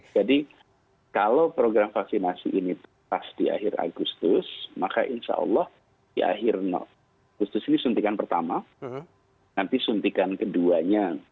kalau program vaksinasi ini pas di akhir agustus maka insya allah di akhir agustus ini suntikan pertama nanti suntikan keduanya